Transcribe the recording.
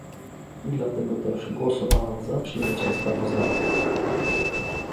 Dlatego też głosowałam za przyjęciem sprawozdania